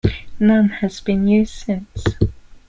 None have been used since.